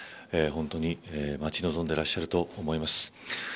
本当に、待ち望んでいらっしゃると思います。